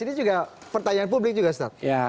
ini juga pertanyaan publik juga ustadz